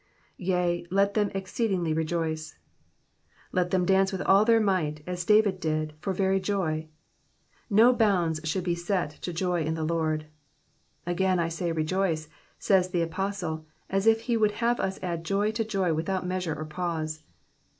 Tea, let them exceedingly rejoice.^ ^ Let them dance with all their might, as David did, for very joy. No bounds should be set to joy in the Lord. *' Again, I say, rejoice," says the apostle, as if he would have us add joy to joy without measure or pause.